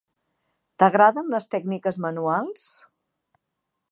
T'agraden les tècniques manuals?